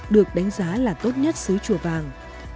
được đánh giá là tốt nhất sứ chùa vàng